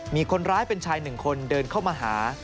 มีคนร้ายเป็นชายหนึ่งคนเดินเข้ามาหา